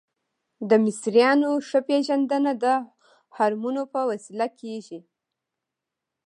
د مصریانو ښه پیژندنه د هرمونو په وسیله کیږي.